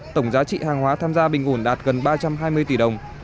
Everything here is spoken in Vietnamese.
tổng giá trị hàng hóa tham gia bình ổn đạt gần ba trăm hai mươi tỷ đồng